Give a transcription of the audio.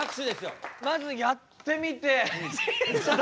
まずやってみて。